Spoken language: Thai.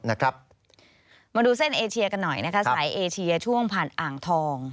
มาดูเส้นเอเชียกันหน่อยนะคะสายเอเชียช่วงผ่านอ่างทอง